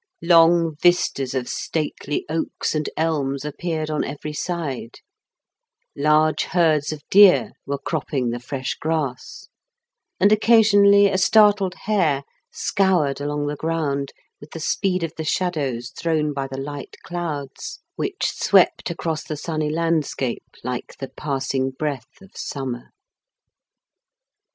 Long vistas of stately oaks and ebns appeared on every side : large herds of deer were cropping the &esh grass; and occasionally a startied hare scoured along the ground, with the speed of the shadows thrown by the light clouds which 8 IN KENT WITH CHABLE8 DICKENS. swept across the sunny landscape like the passing breath of summer.